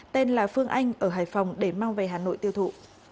tên là phương anh ở hải phòng để mang về hà nội tiêu thụ